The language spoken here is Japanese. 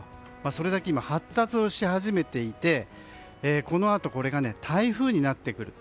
それだけ発達をし始めていてこのあと、これが台風になってくると。